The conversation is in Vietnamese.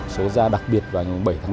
số ra đặc biệt vào bảy tháng năm